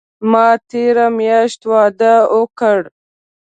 ما تیره میاشت واده اوکړ